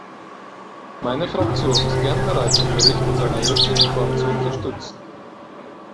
Meine Fraktion ist gern bereit, den Bericht in seiner jetzigen Form zu unterstützen.